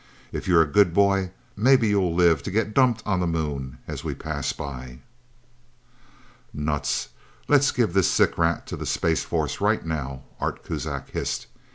If you're a good boy, maybe you'll live to get dumped on the Moon as we pass by." "Nuts let's give this sick rat to the Space Force right now." Art Kuzak hissed.